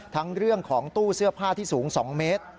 เรื่องของตู้เสื้อผ้าที่สูง๒เมตร